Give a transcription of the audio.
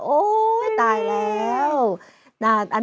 โอ้ยไม่ตายแล้ว